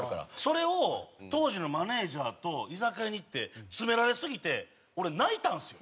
それを当時のマネジャーと居酒屋に行って詰められすぎて俺泣いたんですよ。